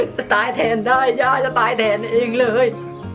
จะตายแทนได้ย่าจะตายแทนเองเลย